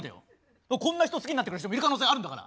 こんな人好きになってくれる人もいる可能性あるんだから。